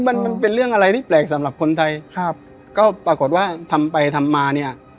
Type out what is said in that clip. มันมันเป็นเรื่องอะไรที่แปลกสำหรับคนไทยครับก็ปรากฏว่าทำไปทำมาเนี้ย